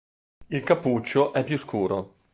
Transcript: Il cappuccio è più scuro.